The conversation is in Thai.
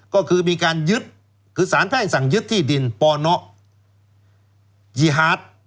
ก็คือมีการยึดคือสารแพ่งสั่งยึดที่ดินปนยีฮาร์ด